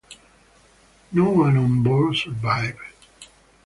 No one on board survived.